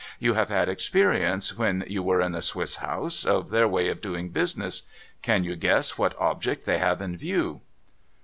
You have had experience, when you were in the Swiss house, of their way of doing business. Can you guess what object they have in view